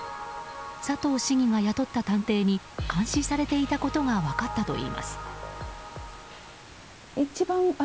佐藤市議が雇った探偵に監視されていたことが分かったといいます。